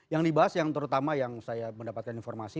yang dibahas yang terutama yang saya mendapatkan informasi